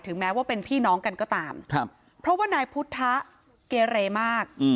แม้ว่าเป็นพี่น้องกันก็ตามเพราะว่านายพุทธะเกเรมาก